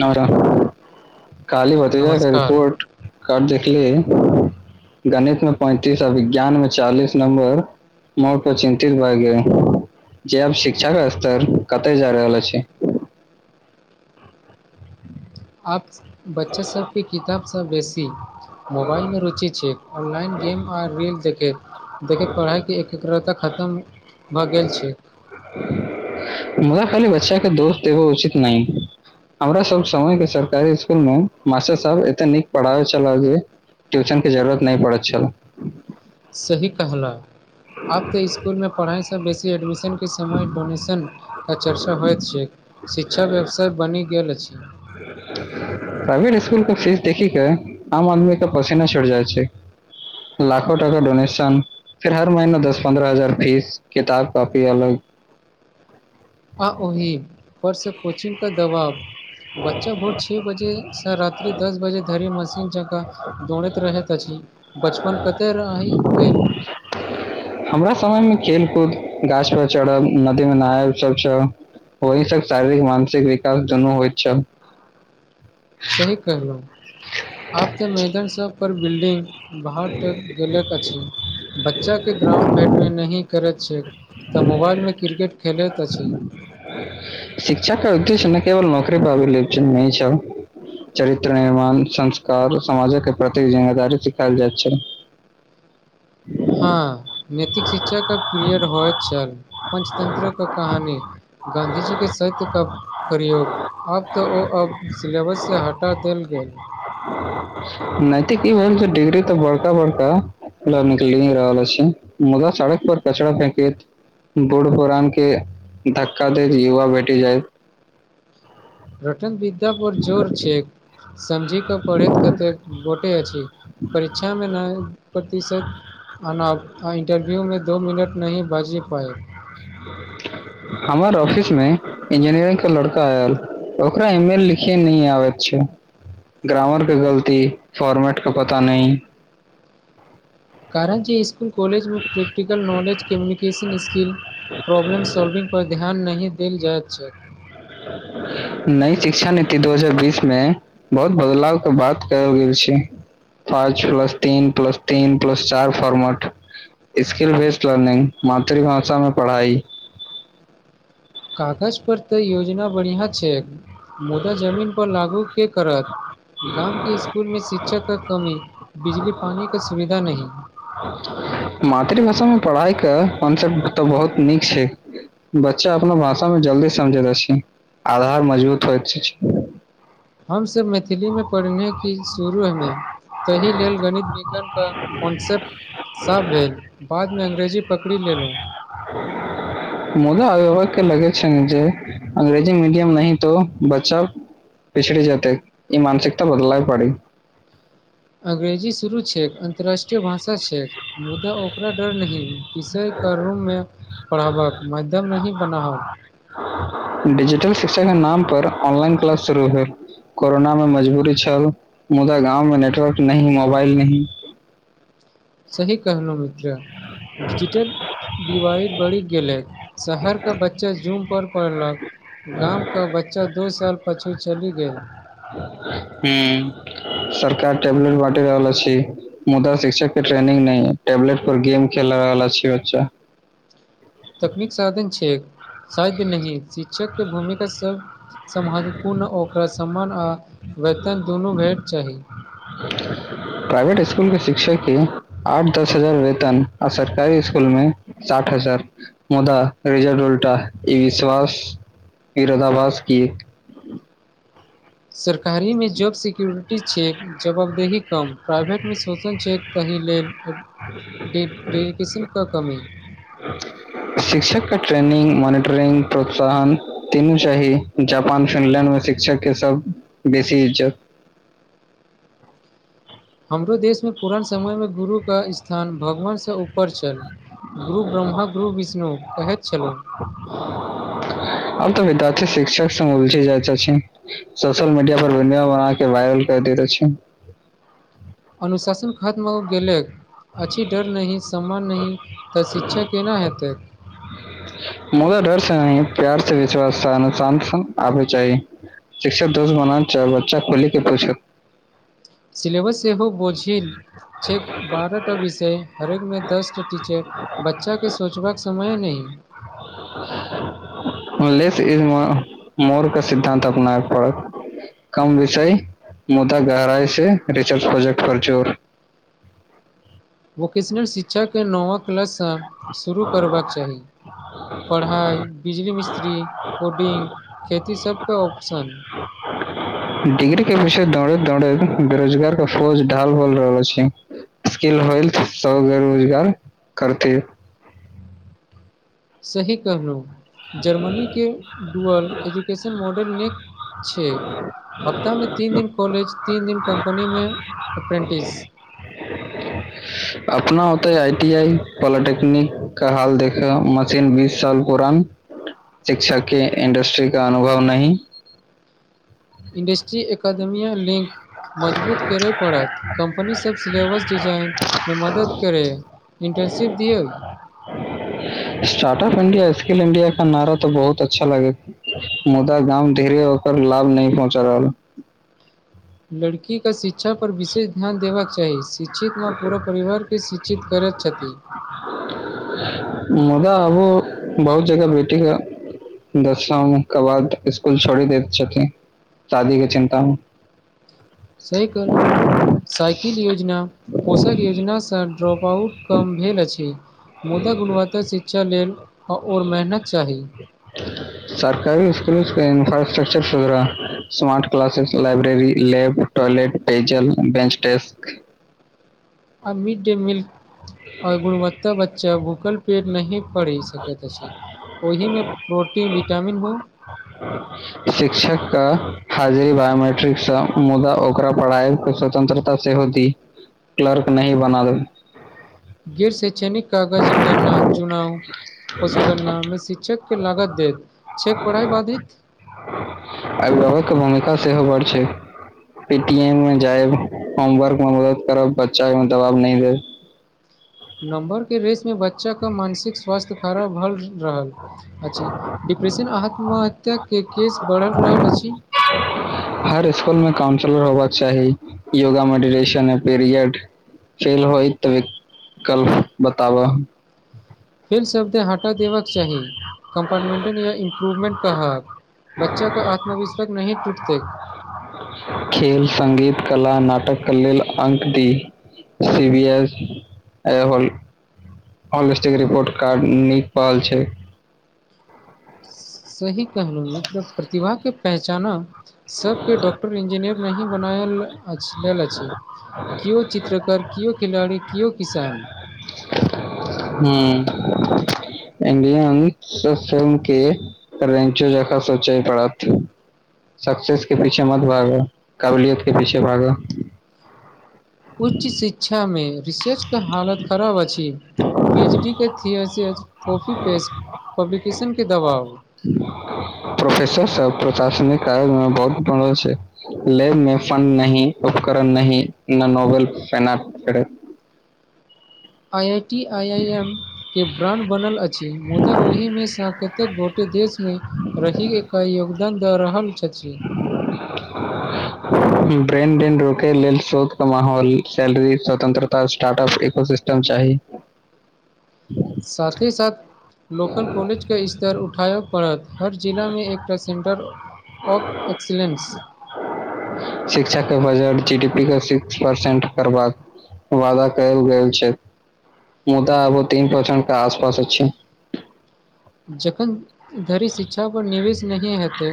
नौरा काली भतीजाक नमस्कार रिपोर्ट क देख की गणित मे पैंतीस आ विज्ञान मे चालीस नं्बर मोर त चिन्तत भ गेल जे आब शिक्षा के स्तर कते जा रहल अछि आब बच्चा सबके किताब सब बेसी मोबाइलमे रुचि छै ऑनलाइन गेम आ रील देखै देखिय पढ़ाइके एकग्रता खतम भऽ गेल छै मुदा खाली बच्चा के दोस्त एबो उचित नहि हमरा सब समयके सरकारी स्कुल मे मास्टर साहब एते नीक पढ़ाबै छल जे ट्यूशन के जरूरत नहि पड़त छल सही कहलअ आब तऽ स्कूल मे पढ़ाइसँ बेसी एडमिशनके समय डोनेशनके चर्चा होइत छैक शिक्षा व्यवसाय बनि गेल अछि प्राइवेट स्कूल के फीस देखी के आम आदमी के पोसेना छोड़ि जाइ छै लाखो टाका डोनेेशन फेर हर महीना दस पन्द्रह हजार फीस किताब कॉपी अलग आ ओहि परसँ कोचिंग क दबाब बच्चा भोर छे बजे से रात्री दस बजे धरी मस तीन जकाँ दौड़ैत रहैत अछि बचपन कतय रहि गेल हमरा समयमे खेल कूद गाछ पर चढ़ब नदीमे नहायब सब छै ओही सबक शारीरिक मानसिक विकास दुनू होइत छै सही कहलहु आब तऽ मैदान सभ पर बिल्डिंग भाव टक गेलक अछि बच्चा के ग्राउंड भेटबे नी करैत छै तऽ मोबाइलमे क्रिकेट खेलैत अछि शिक्षा क उद्देश्य ने केवल नौकरी पाबि लेल न छै चरित्र निर्माण संस्कार समाजक के प्रतेक जिम्मेदारी सिखायल जाइत छै [inaudible] हँ नैतिक शिक्षाके पीरियड होइत छल पञ्चतन्त्रके कहानी गाँधीजी के सत्य का प्रयोग अब तऽ ओ अब सिलेबस से हटा देल गेल नहि तऽ की भेल तऽ डिग्री तऽ बड़का बड़का निकलि ह रहल छी मुदा सड़क पर कचड़ा फेकेैत बूढ़ पुरान के धक्का दैत युवा भेटी जाइ रतन विद्या पर जोर छै समझे कऽ पढ़ैत कतेक गोटे अछि परीक्षामे न प्रतिशत एना इन्टरव्यू मे दो मिनट नहि बाजी पाए [inaudible] हमर ऑफिस मे इंजीनियरिंग के लड़का आयल ओकरा ईमेल लिखे नहि आबैत छै ग्रामर के गलती फॉर्मेट का पता नै कारण जे स्कूल कॉलेजमे practical knowledge communication skill problem solving पर ध्यान नहि देल जायत छै [inaudible] नइ शिक्षा नीति दू हजार बीस मे बहुत बदलाव के बात कयल गेल छै पाँच प्लस तीन प्लस तीन प्लस चार फॉर्मट स्किल बेस् लर्निंग मातृभाषामे पढ़ाई कागज पर तऽ योजना बढिया छै मुदा जमीन पर लागू के करत गाम स्कूलमे शिक्षक क कमी बिजली पानी क सुविधा नहि मातृभाषामे पढ़ाइके कॉन्सेप्ट तऽ बहुत नीक छै बच्चा अपना भाषामे जल्दी समझे अछि आधार मजबूत होइत छै हमसब मैथिलीमे पढ़ने क शुरूमे तहि लेल गणित विज्ञानके कॉन्सेप्ट सभ भेल बादमे अंग्रेजी पकड़ि लेलहुँ मूदा इहो के लगे छै ने जे अंग्रेजी मीडियम नहि तो बच्चा पिछड़ी जेतै ई मानसिकता बदलय परी अंग्रेजी शुरू छै आन्तरराष्ट्रीय भाषा छै मुदा ओकरा डर नहि विषयके रूम मे पढ़बक माध्यम नहि बनाबक डिजिटल शिक्षा के नाम पर ऑनलाइन क्लास शुरू भेल कोरोना मे मजबूरी छल मुदा गाँव मे नेटवर्क नहि मोबाइल नहि सही कहलहु मित्र डिजिटल डिवाइ बढ़ि गेलै शहर के बच्चा जूम पर पढ़लक गामके बच्चा दू साल पाछू चलि गेल [inaudible] ह सरकार टेबलेट बाँटि रहल अछि मुदा शिक्षक के ट्रेनिंग नहि [unintelligible] पर गेम खेलवला छी बच्च शायद नहि शिक्षकके भूमिका सम सभसँ महत्वपूर्ण ओकरा सम्मान आ वेतन दुनू भेल चाही [inaudible] प्राइवेट स्कूल के शिक्षक के आठ दस हजार वेतन आ सरकारी स्कूलमे साठ हजार मुदा रेजल्ट उल्टा ई विश्वास इ रदाबास की सरकारी मे जॉब सिक्योरिटी चेक जवाब देही कम प्राइवेटमे शोषण छैेक तहि लेल डे डेडिकेशन क कमी शिक्षक का ट्रेनिंग मॉनिटरिंग प्रोत्साहन तीनू चाही जापान फिनलैं्ड मे शिक्षक के सब बेसीज हमरो देशमे पुरान समयमे गुरु क स्थान भगवानसँ ऊपर छल गुरु ब्रह्मा गुरु विष्णु कहैत छलहुँ आब तऽ विद्यार्थी शिक्षक स उलझ जाइत अछि सोशल मीडिया पर वीडियो बना के वायरल कर दैत छै [inaudible] अनुशासन खत्म हो गेलक अछि डर नहि सम्मान नहि तऽ शिक्षा केना हेतै मजा डर से नहि प्यार से विश्वास स अनुशांत स आबी चाही शिक्षक दोस्त बन चार बच्चा खोल के पूछक सिलेबस सेहो बोझल छै बारहटा विषय हरेक मे दस टीचर बच्चा के सोचबाक समय नहि लेस इज मोर मोर के सिद्धान्त अपनाके पड़त कम विषय मुदा गहराइ से रिचर प्रोजेक्ट पर जोर [inaudible] वोकेशनल शिक्षा के नौवां क्लास ता शुरू करबाक चाही पढ़ाइ बिजली मिस् त्री कोडिंग खेती सभके ऑप्शन डिग्री के विषय दौड़े दौड़े बेरोजगार के फौज ढाल होल रहलो छै स्किल होएलत सबके रोजगार करते सही कहलू जर्मनी के डुअल एजुकेशन मॉडल नीक छै हफ्तामे तीन दिन कॉलेज तीन दिन कम्पनीमे अप्रेंटिस अपना होतै आई टी आई पॉलिटेक्निक क हाल देख मशीन बीस साल पूरा शिक्षा के इंडस्ट्री का अनुभव नहि इंडस्ट्री एकादमिया लिंक मजबूत करय पड़त कम्पनीसभ सिलेबस डिजाइनमे मदद करैए इन्टर्नशिप दियौ स्टार्टप इंडिया स्किल इंडिया का नारा तो बहुत अच्छा लागे मुदा गांव धीरे ओकर लाभ नै पहुंच रहल लड़की का शिक्षा पर विशेष ध्यान देबाक चाही शिक्षित म पूरा परिवारके शिक्षित करैत छथि मुदा आबो बहुत जगह बेटी कऽ दसम के बाद स्कुल छोड़ी दैत छथि शादी के चिन्ता सही कहलौं साइकि किल योजना पोषक योजनासँ ड्रॉप आउट कम भेल अछि मुदा गुणवत्ता शिक्षा लेल आऔर मेहनत चाही सरकारी स्कूलके इन्फ्रास्ट्रक्चर सुधरा smart classes library lab toilet पेयजल बेंच डेस्क आ मिड डे मील आर गुणवत्ता बच्चा भूखल पेट नहि पढ़ि सकैत अछि ओहिमे प्रोटीन विटामिन हो शिक्षक का हाजरी बायोमेट्रिक् स मुद्दा ओकरा पढ़ाइ स स्वतंत्रता सेहो दी क्लर्क नहि बना दे गिर से निक कागज जनगणना चुनाव पशुगणना मे शिक्षक के लागत देत छैेक पढ़ाई बाधित अभिभावकके भूमिका सेहो बड्ड छै पेटीएम मे जायब होमवर्क मे मदद करब बच्चा एहिमे दबाब नहि देब नंबर के रेस मे बच्चा क मानसिक स्वास्थ्य खराब भल रहल अछि डिप्रेशन आ आत्महत्या के केस बढ़ल रहल अछि हर स्कुल मे काउंसलर होबाक चाही योगा मेडिटेशन पीरियड फेल होइ त विकल्प बताबअ फेल शब्द हटा देबाक चाही कम्पार्टमेंटल या इम्प्रूवमेंट कहक बच्चा क आत्मविश्वास नहिं टूटते खेल संगीत कला नाटक क लेल अंक दी सिबी एस ए होल हॉलिस्टिक रिपोर्ट कार्ड नै परल छै सही कहलहुँ मित्र प्रतिभा के पहचान सभके डॉक्टर इंजीनियर नहि बनायल अछि किओ चित्रकार कियओ खिलाड़ी किओ किसान हूँ इंडियन ससम के रेंचो जकाँ सोचय पड़त सक्सेस के पीछे मत भागअ काबलियत के पीछे भागा उच्च शिक्षामे रिसर्चके हालत खराब अछि पी एच डी के थथियसच कॉफी पेस्ट पब्लिकेशन के दबाव प्रोफेसर सब प्रशासनिक काल मे बहुत बनल छै ले मे फन नही उपकरण नही न novel Fena [inaudible] I I T I I M के ब्रां्ड बनल अछि मुदा ओहिमे सँ कतेक गोट देश मे रहि एक योगदान दऽ रहल अच्छा जी ब्रेनडेन रोकय लेल शोधके माहौल सैलरी स्वतंत्रता स्टार्टअप इकोसिस्टम चाही [inaudible] साथ ही साथ लोकल कॉलेजके स्तर उठाबय पड़त हर जिलामे एकटा सेंटर ऑफ एक्सलेंस शिक्षक के वजट जी डी पी के सिक्स परसेंट करबाक वादा कयल गेल छै मुदा ओ तिन परसेन्ट के आसपास अछि जखन धरि शिक्षा पर निवेश नहि हेतै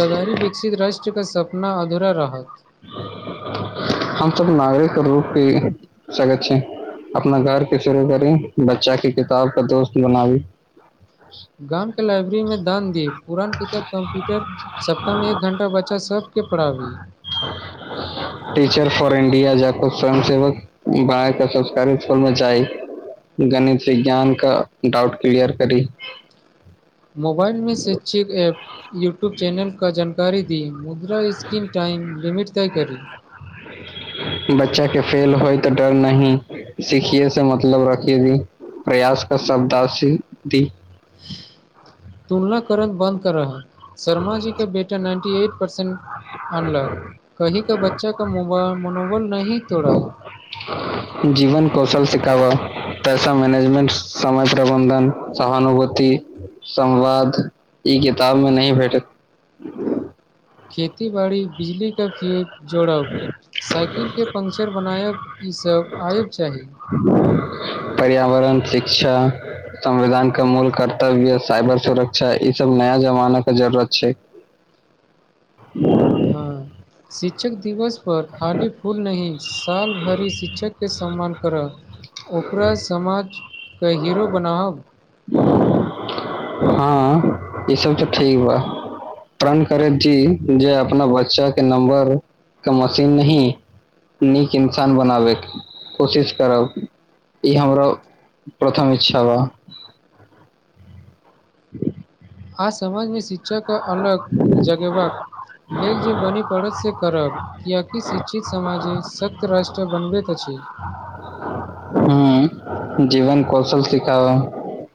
तारी विकसित राष्ट्र सपना अधूरा रहत करू भी सकै छै अपना घरके शुरू करी बच्चा क किताब क दोस्त बनाबी गाम के लाइब्रेरी मे दान दी पुरान किताब कम्प्यूटर सप्ताह मे एक घण्टा बच्चा सब के पढ़ाबी टीचर फॉर इंडिया जा कुछ स्वयं सेवक बायके ससकारी स्कूल मे जाइ गणित विज्ञान का डाउट क्लियर करी मोबाइलमे शैच्षछिक एप यूट्यूब चैनलके जानकारी दी मो इन्द्र स्किन टाइम लिमिट तय करी बच्चा के फेल होइ तऽ डर नह सिखिये से मतलब रखी प्रयास क शब्दाशी दी तुलना करण बन्द कर रहाै शर्मा जी क बेटा नाइन्टी एट परसेंट अनलॉक कही का बच्चा क मोबा मनोबल नहि तोड़ा जीवन कौशल शिकाव पैसा मैनेजमेंट समाज प्रबन्धन सहानुभूति संवाद ई किताब मे नहि भेटत खेती बाड़ी बिजली के फ्यूज जोड़ब साइकिलके पं्चर बनायब ईसभ आयब चाही पर्यावरण शिक्षा संविधान के मूल कर्तव्य साइबर सुरक्षा ई सब नया जमाना के जरूरत छै [inaudible] हँ शिक्षक दिवस पर खाली फूल नहि साल भरि शिक्षक के सम्मान करऽ ओकरा समाजके हीरो बनाहब हँ ईसभ तऽ ठीक बा प्रण करेथी जे अपना बच्चा के नम्बर के मशीन नहि नीक इन्सान बनाबैके कोशिश करब ई हमरा प्रथम इच्छा बा [inaudible] आज समाजमे शिक्षक अलग जगेवा लेज जे बनी पड़त से करब कियकि शिक्षित समाज अछि सत राष्ट्र बनाबैत अछि हू जीवन कौशल सिखाव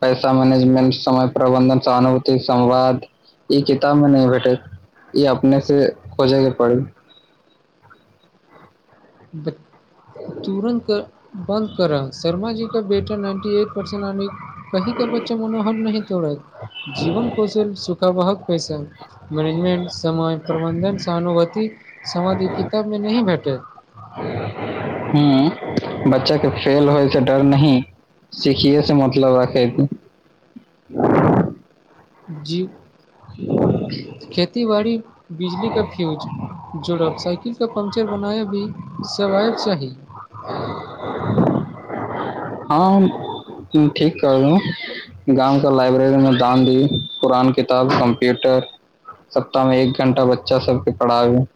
पैसा मैनेजमेंट समय प्रबंधन सहानुभूति संवाद ई किताब मे नहि भेटत ई अपने से खोजे के पड़ै बच्च [inaudible] तुरन्त बन्द कर‌ऽ शर्मा जी के बेटा नाइन्टी एट परसेन आनि कही के बच्चा कोनो हम नहि जीवन कौशल सुखाावाहक पैसा मैनेजमेंट समाज प्रबंधन सँ अनुभूति समाधि किताब मे नहि भेटे हू बच्चा के फेल होय से डर नहि सिखए से मतलब रखैत जी खेती बाड़ी बिजली कथी होय छै जोड़व साइकिल कऽ पंकचर बनाय भी सवायब चाही हँ हम ठीक कहलौ गाँवके लाइब्रेरी मे दान दी पुरान किताब कम्प्यूटर सप्ताह मे एक घण्टा बच्चा सबके पढ़ाबी